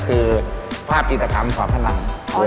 ก็คือภาพอิตกรรมของผนัง